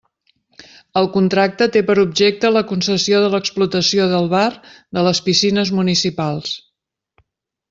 El contracte té per objecte la concessió de l'explotació del bar de les piscines municipals.